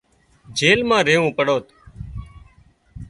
جيل مان ريوون پڙوت